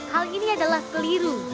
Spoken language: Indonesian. hal ini adalah keliru